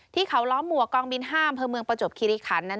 ที่เขาล้อมหมวกกองบินห้ามเพิ่มเมืองประจวบคีริขันนั้น